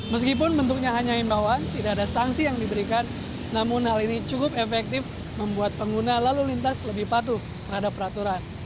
meskipun bentuknya hanya imbauan tidak ada sanksi yang diberikan namun hal ini cukup efektif membuat pengguna lalu lintas lebih patuh terhadap peraturan